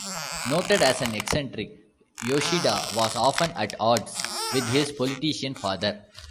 Noted as an eccentric, Yoshida was often at odds with his politician father.